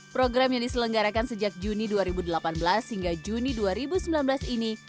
program yang diselenggarakan sejak juni dua ribu delapan belas hingga juni dua ribu sembilan belas ini